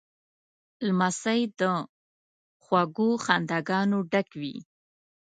لمسی له خوږو خنداګانو ډک وي.